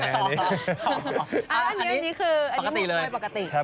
อันนี้คือปกติเลย